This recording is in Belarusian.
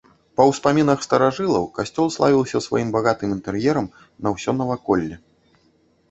Па ўспамінах старажылаў, касцёл славіўся сваім багатым інтэр'ерам на ўсё наваколле.